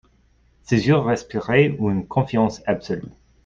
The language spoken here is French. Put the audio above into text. Ses yeux respiraient une confiance absolue.